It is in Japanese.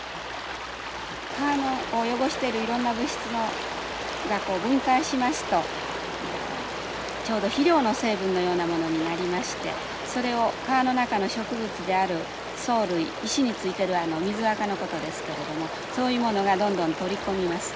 川を汚してるいろんな物質が分解しますとちょうど肥料の成分のようなものになりましてそれを川の中の植物である藻類石についているあの水アカのことですけれどもそういうものがどんどん取り込みます。